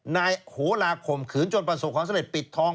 นายโหลาข่มขืนจนประสบความสำเร็จปิดทอง